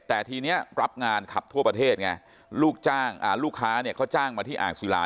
แต่ทีนี้รับงานขับทั่วประเทศไงลูกจ้างลูกค้าเนี่ยเขาจ้างมาที่อ่างศิลา